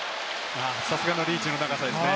さすがのリーチの長さですね。